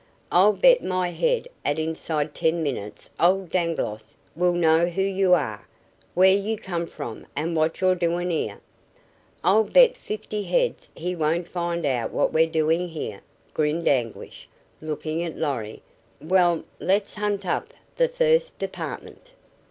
"I'll bet my head 'at inside ten minutes old Dangloss will know who you are, where you come from an' what you're doin' here." "I'll bet fifty heads he won't find out what we're doing here," grinned Anguish, looking at Lorry. "Well, let's hunt up the thirst department."